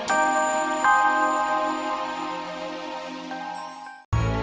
sampai jumpa lagi